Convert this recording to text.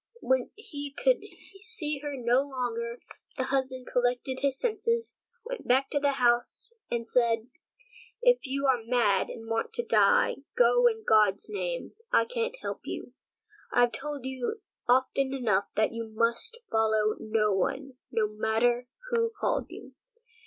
When he could see her no longer, the husband collected his senses, went back to the house, and said: "If you are mad and want to die, go in God's name, I can't help you; I've told you often enough that you must follow no one, no matter who called you."